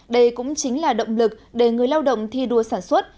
đây cũng chính là động lực để người lao động thi đua sản xuất